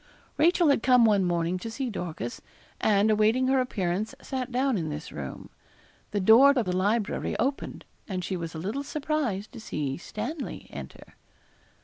Rachel had come one morning to see Dorcas, and, awaiting her appearance, sat down in this room. The door of the library opened, and she was a little surprised to see Stanley enter.